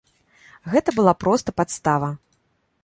Гэта была проста падстава.